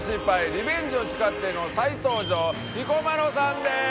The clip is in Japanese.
リベンジを誓っての再登場彦摩呂さんです！